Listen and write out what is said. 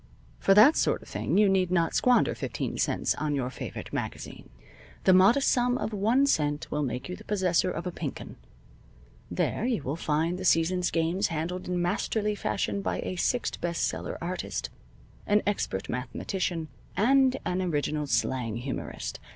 For that sort of thing you need not squander fifteen cents on your favorite magazine. The modest sum of one cent will make you the possessor of a Pink 'Un. There you will find the season's games handled in masterly fashion by a six best seller artist, an expert mathematician, and an original slang humorist.